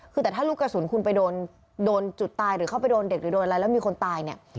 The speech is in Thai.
คือแต่ถ้าลูกกระสุนคุณไปโดนจุดตายหรือเข้าไปโดนเด็กหรือโดนอะไรแล้วมีคนตายเนี่ย